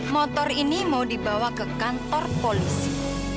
motor ini mau dibawa ke kantor polisi